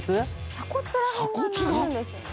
鎖骨ら辺が鳴るんですよね。